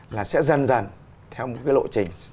là sẽ dần dần theo một cái lộ trình